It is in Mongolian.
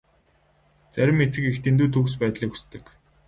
Зарим эцэг эх дэндүү төгс байдлыг хүсдэг.